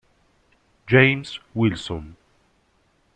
James Wilson